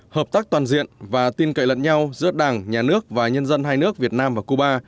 hợp tác toàn diện và tin cậy lẫn nhau giữa đảng nhà nước và nhân dân hai nước việt nam và cuba